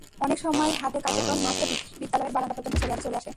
অনেক সময় হাটের কার্যক্রম মাঠ ছাপিয়ে বিদ্যালয়ের বারান্দা পর্যন্ত চলে আসে।